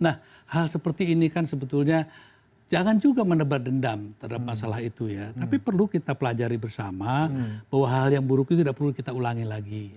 nah hal seperti ini kan sebetulnya jangan juga menebar dendam terhadap masalah itu ya tapi perlu kita pelajari bersama bahwa hal yang buruk itu tidak perlu kita ulangi lagi